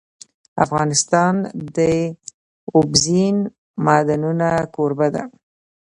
افغانستان د اوبزین معدنونه کوربه دی.